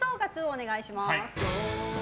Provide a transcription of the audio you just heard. お願いします。